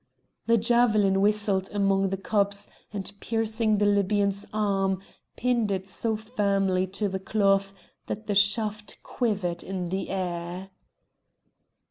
The javelin whistled among the cups, and piercing the Lybian's arm, pinned it so firmly to the cloth, that the shaft quivered in the air.